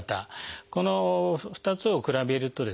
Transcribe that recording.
この２つを比べるとですね